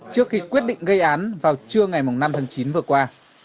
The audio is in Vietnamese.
trước khi quyết định gây án vào trưa ngày năm tháng chín vừa qua